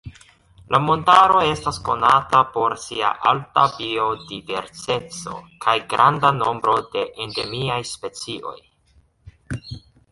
La montaro estas konata por sia alta biodiverseco kaj granda nombro de endemiaj specioj.